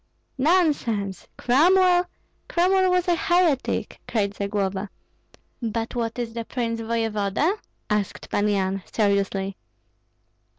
"Nonsense! Cromwell? Cromwell was a heretic!" cried Zagloba. "But what is the prince voevoda?" asked Pan Yan, seriously.